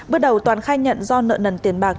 bước đầu toàn khai nhận do nợ nần tiền bạc